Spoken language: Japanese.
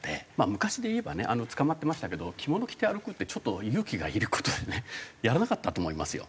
昔でいえばね捕まってましたけど着物着て歩くってちょっと勇気がいる事でねやらなかったと思いますよ。